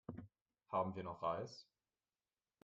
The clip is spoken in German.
Haben wir noch Reis?